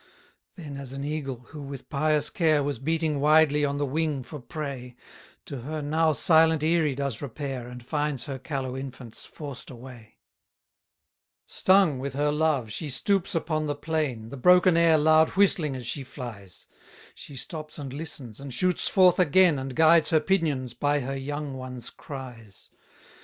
107 Then, as an eagle, who, with pious care Was beating widely on the wing for prey, To her now silent eyrie does repair, And finds her callow infants forced away: 108 Stung with her love, she stoops upon the plain, The broken air loud whistling as she flies: She stops and listens, and shoots forth again, And guides her pinions by her young ones' cries.